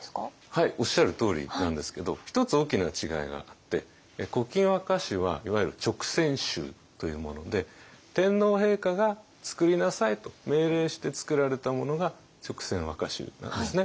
はいおっしゃるとおりなんですけど一つ大きな違いがあって「古今和歌集」はいわゆる勅撰集というもので天皇陛下が「作りなさい」と命令して作られたものが勅撰和歌集なんですね。